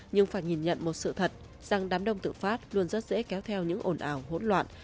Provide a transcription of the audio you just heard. nhưng phải nhìn nhận một sự thật rằng đám đông tự phát luôn rất dễ kéo theo những ồn ào hỗn loạn